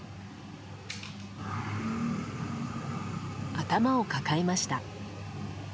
頭を抱えました。